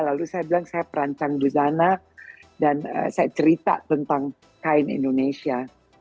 lalu saya bilang saya perancang busana dan saya cerita tentang kain indonesia